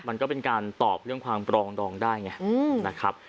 มันก็เป็นการตอบเรื่องความปรองดองได้ไงนะครับ